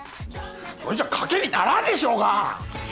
それじゃ賭けにならんでしょうが！